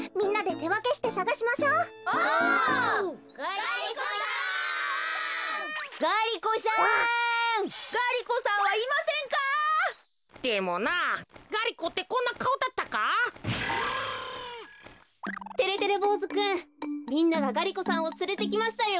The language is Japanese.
てれてれぼうずくんみんながガリ子さんをつれてきましたよ。